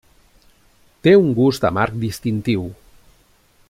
Té un gust amarg distintiu.